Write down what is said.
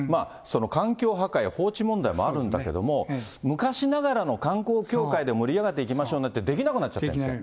環境破壊、放置問題もあるんだけども、昔ながらの観光協会で盛り上げていきましょうねなんてできなくなできない。